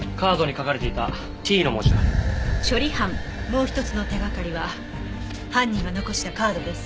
もう１つの手掛かりは犯人が残したカードです。